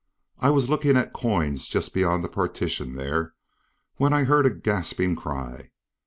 I was looking at coins just beyond the partition there, when I heard a gasping cry.